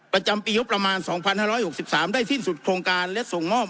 ประจำปียุคประมาณสองพันห้าร้อยหกสิบสามได้สิ้นสุดโครงการและส่งมอบ